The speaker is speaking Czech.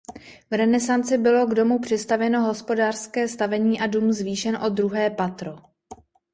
V renesanci bylo k domu přistavěno hospodářské stavení a dům zvýšen o druhé patro.